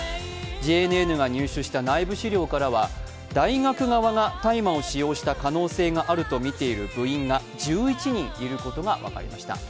ＪＮＮが入手した内部資料からは、大学側が大麻を使用した可能性があるとみている部員が１１人いることが分かりました。